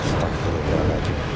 ah stafir beranak